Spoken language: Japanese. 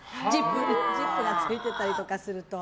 ジップがついてたりすると。